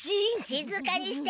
しずかにしてって。